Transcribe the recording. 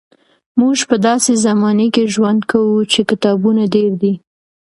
موږ په داسې زمانه کې ژوند کوو چې کتابونه ډېر دي.